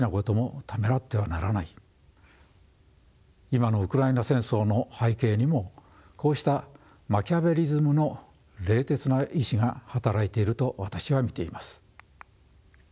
今のウクライナ戦争の背景にもこうしたマキャベリズムの冷徹な意思が働いていると私は見ています。